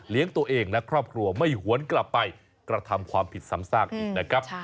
ตัวเองและครอบครัวไม่หวนกลับไปกระทำความผิดซ้ำซากอีกนะครับ